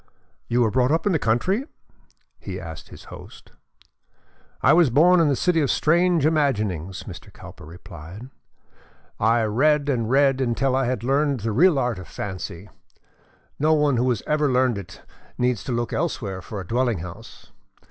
"You were brought up in the country?" he asked his host. "I was born in the City of Strange Imaginings," Mr. Cowper replied. "I read and read until I had learned the real art of fancy. No one who has ever learned it needs to look elsewhere for a dwelling house.